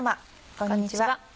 こんにちは。